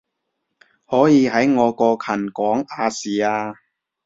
可以喺我個群講亞視啊